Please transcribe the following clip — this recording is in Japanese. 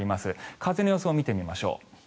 風の予想を見てみましょう。